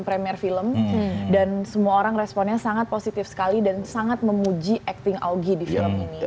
premier film dan semua orang responnya sangat positif sekali dan sangat memuji acting augie di film ini